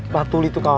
pak tuli tuh kawan